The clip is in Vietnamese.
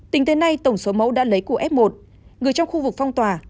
tính thế này tổng số mẫu đã lấy của f một người trong khu vực phong tỏa